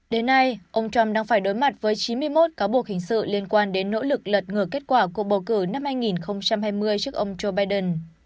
đến nay ông trump đang phải đối mặt với chín mươi một cáo buộc hình sự liên quan đến nỗ lực lật ngừa kết quả cuộc bầu cử năm hai nghìn hai mươi trước ông joe biden